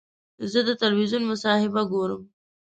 زه د تلویزیون مصاحبه ګورم.